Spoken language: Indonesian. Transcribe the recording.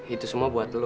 itu semua buat lo